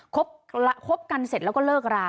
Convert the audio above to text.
คบกันเสร็จแล้วก็เลิกรา